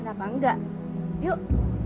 kenapa enggak yuk